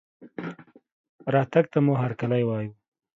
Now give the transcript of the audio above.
رتګ ته مو هرکلى وايو